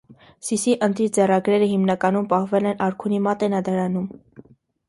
Սիսի ընտիր ձեռագրերը հիմնականում պահվել են արքունի մատենադարանում։